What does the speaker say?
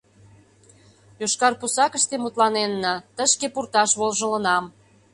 Йошкар пусакыште мутланенна, тышке пурташ вожылынам.